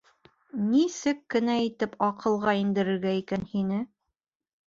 Нисек кенә итеп аҡылға индерергә икән һине?!